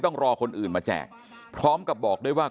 คุณวราวุฒิศิลปะอาชาหัวหน้าภักดิ์ชาติไทยพัฒนา